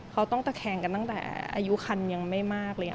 เขาต้องตะแคงกันตั้งแต่อายุคันยังไม่มากเลย